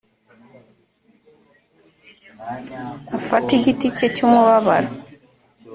afate igiti cye cy umubabaro